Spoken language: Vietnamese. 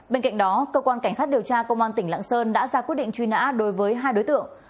bên cạnh đó cơ quan cảnh sát điều tra công an tỉnh lạng sơn đã ra quyết định truy nã đối với hai đối tượng